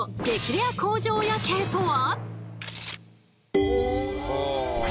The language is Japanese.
レア工場夜景とは？